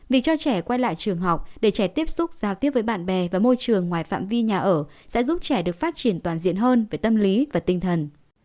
việc cho trẻ quay lại trường học để trẻ tiếp xúc giao tiếp với bạn bè và môi trường ngoài phạm vi nhà ở sẽ giúp trẻ được phát triển toàn diện hơn về tâm lý và tinh thần